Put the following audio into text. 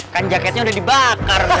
kan jaketnya udah dibakar